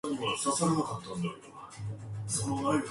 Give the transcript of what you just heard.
The charity has a Research Strategy Committee chaired by Brian Meaden.